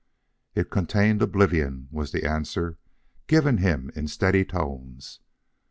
"It contained oblivion," was the answer given him in steady tones.